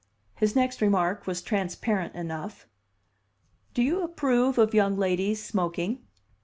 His next remark was transparent enough. "Do you approve of young ladies smoking?"